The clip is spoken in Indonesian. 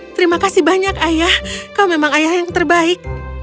terima kasih banyak ayah kau memang ayah yang terbaik